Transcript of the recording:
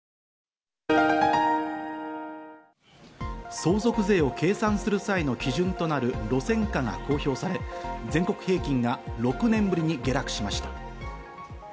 相続税を計算する際の基準となる路線価が公表され、全国平均が６年ぶりに下落しました。